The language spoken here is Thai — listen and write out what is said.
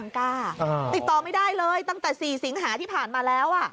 ก็ไม่ได้เลยตั้งแต่สี่สิงหาที่ผ่านมาแล้ว